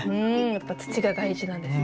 やっぱ土が大事なんですね。